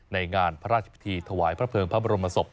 ในงานพระราชพิธีถวายพระเภิงพระบรมศพ